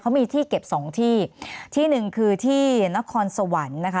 เขามีที่เก็บสองที่ที่หนึ่งคือที่นครสวรรค์นะคะ